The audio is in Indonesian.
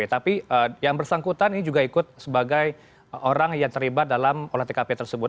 tapi yang bersangkutan ini juga ikut sebagai orang yang terlibat dalam olah tkp tersebut